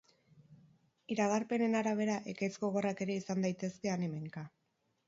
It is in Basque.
Iragarpenen arabera ekaitz gogorrak ere izan daitezke han-hemenka.